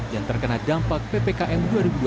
yang terkena dampak ppkm dua ribu dua puluh